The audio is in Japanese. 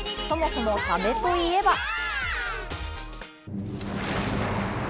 そもそもサメといえば。